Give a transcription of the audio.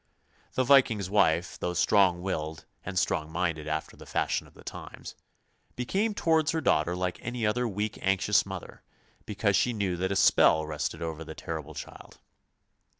The Viking's wife, though strong willed and strong minded after the fashion of the times, became towards her daughter like any other weak, anxious mother, because she knew that a spell rested over the terrible child.